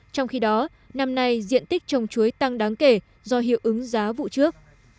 trong khi đó năm nay diện tích trồng chuối tăng đáng kể do hiệu ứng giá vụ trước